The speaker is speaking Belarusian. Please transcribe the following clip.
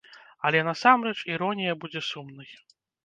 Але насамрэч іронія будзе сумнай.